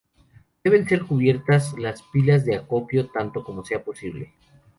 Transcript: Deben ser cubiertas las pilas de acopio tanto como sea posible.